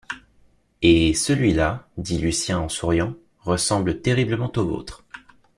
Et, celui-là, dit Lucien en souriant, ressemble terriblement au vôtre.